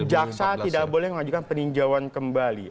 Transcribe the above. jaksa tidak boleh mengajukan peninjauan kembali